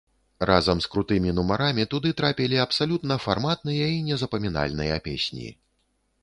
Разам з крутымі нумарамі туды трапілі абсалютна фарматныя і незапамінальныя песні.